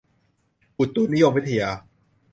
อุตุนิยมวิทยา